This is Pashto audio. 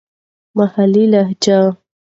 محلې لهجې.